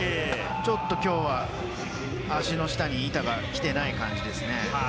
ちょっと今日は足の下に板が来ていない感じですね。